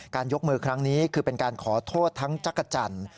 ยกมือครั้งนี้คือเป็นการขอโทษทั้งจักรจันทร์